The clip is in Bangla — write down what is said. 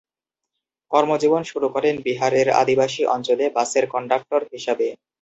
কর্মজীবন শুরু করেন বিহারের আদিবাসী অঞ্চলে বাসের কন্ডাক্টর হিসেবে।